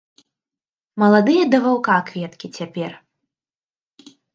Маладыя да ваўка кветкі цяпер.